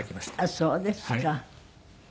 そうですか。